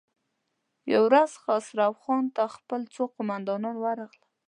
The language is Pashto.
يوه ورځ خسرو خان ته خپل څو قوماندان ورغلل.